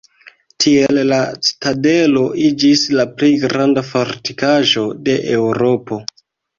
Tiel la citadelo iĝis la plej granda fortikaĵo de Eŭropo.